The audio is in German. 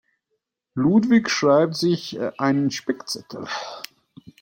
Ludwig schreibt sich einen Spickzettel.